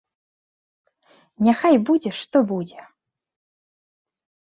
Няхай будзе што будзе!